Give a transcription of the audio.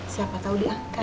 siapa tahu diangkat